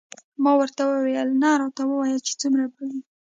ما ورته وویل نه راته ووایه چې څومره به وي.